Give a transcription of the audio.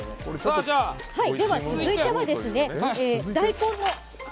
続いては大根の。